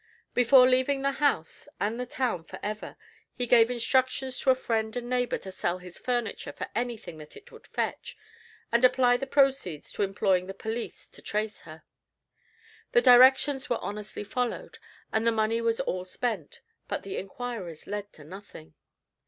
Before leaving the house and the town forever, he gave instructions to a friend and neighbor to sell his furniture for anything that it would fetch, and apply the proceeds to employing the police to trace her. The directions were honestly followed, and the money was all spent, but the inquiries led to nothing.